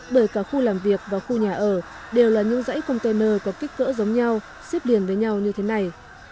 bởi cả khu làm việc và khu nhà ở đều là những dãy container có kích cỡ giống nhau xếp liền với nhau như thế này